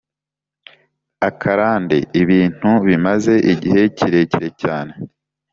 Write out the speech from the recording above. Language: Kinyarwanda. akarande: ibintu bimaze igihe kirekire cyane,